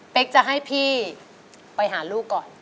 จะให้พี่ไปหาลูกก่อน